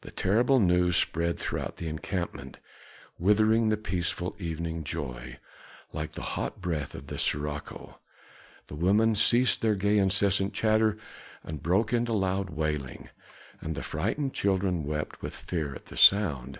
The terrible news spread throughout the encampment, withering the peaceful evening joy, like the hot breath of a Sirocco. The women ceased their gay incessant chatter and broke into loud wailing, and the frightened children wept with fear at the sound.